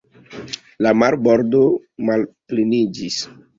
La marbordo malpleniĝis.